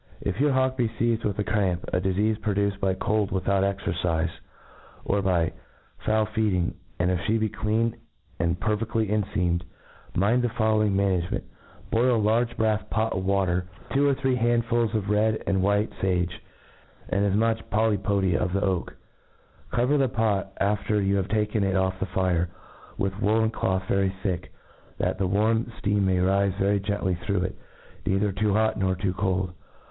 If your hawk be feized with the cramp, a difeafe produced by cold without exercife, or by foul feeding, and if flie be clean and perfcd*. lyenfeamed, mind the following management. 3pii, in a I^urge brafs pot full of water, two or three i5^ A TREAT IS EOF three handfuls of red and white' fafe, and as much polypody of the oak. Cover the pot, af tej: yo\i have taken it off the fire, with woolen doth very thick, that die warm fteam may rife very gently through It, neither too hot nor too cold.